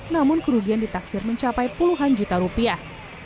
namun kerugian ditaksir mencapai puluhan juta rupiah